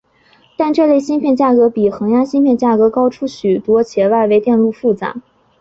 但是这类芯片价格比恒压芯片价格高许多且外围电路复杂。